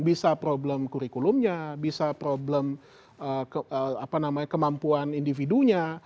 bisa problem kurikulumnya bisa problem kemampuan individunya